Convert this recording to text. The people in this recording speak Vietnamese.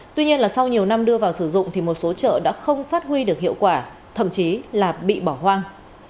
tuy nhiên là sau nhiều năm đưa vào sử dụng thì một số chợ đã không phát huy được hiệu quả thậm chí là bị bỏ hoang